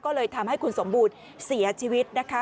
ก็เลยทำให้คุณสมบูรณ์เสียชีวิตนะคะ